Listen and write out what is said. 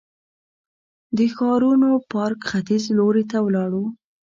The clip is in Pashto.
د ښارنو پارک ختیځ لوري ته ولاړو.